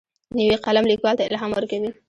نوی قلم لیکوال ته الهام ورکوي